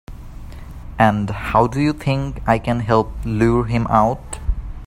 And how do you think I can help lure him out?